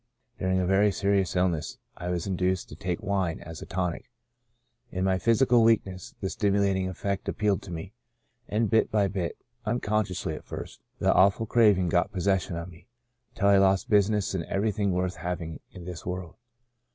During a very serious illness I was induced to take wine as a tonic. In my physical weakness the stimu lating effect appealed to me and bit by bit (unconsciously at first) the awful craving got possession of me, until I lost business and everything worth having in this world.